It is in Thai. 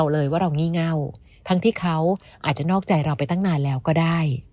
และจริงนะคะ